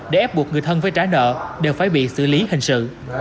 để ép buộc người thân phải trả nợ đều phải bị xử lý hình sự